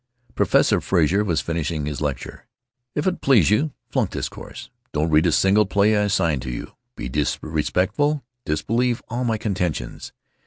Professor Frazer was finishing his lecture: "If it please you, flunk this course, don't read a single play I assign to you, be disrespectful, disbelieve all my contentions.